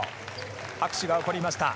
拍手が起こりました。